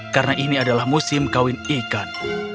karena ini adalah musim kawin ikan